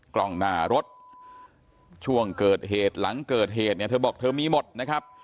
กล้องหน้ารถช่วงเกิดเหตุหลังเกิดเหตุเนี่ยเธอบอกเธอมีหมดนะครับ